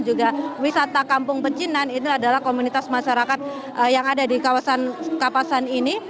juga wisata kampung pencinan ini adalah komunitas masyarakat yang ada di kawasan kawasan ini